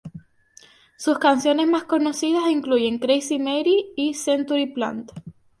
Sus canciones más conocidas incluyen "Crazy Mary" y "Century Plant".